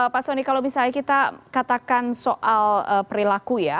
pak soni kalau misalnya kita katakan soal perilaku ya